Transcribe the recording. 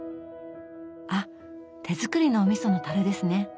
あ手作りのおみその樽ですね。